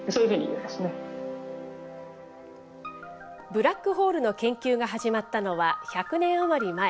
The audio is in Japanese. ブラックホールの研究が始まったのは１００年余り前。